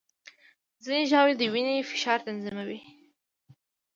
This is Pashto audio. ځینې ژاولې د وینې فشار تنظیموي.